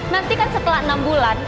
nanti kan setelah enam bulan